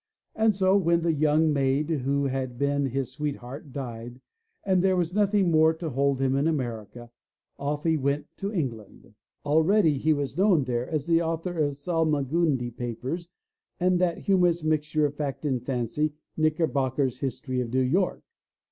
And so when the young maid who had been his sweetheart died and there was nothing more to hold him in America, off he went to England. Already he was known there as the author of Sal magundi Papers and that humorous mixture of fact and fancy, Knickerbocker's History of New York.